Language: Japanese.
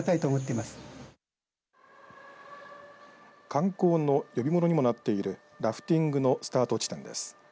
観光の呼び物にもなっているラフティングのスタート地点です。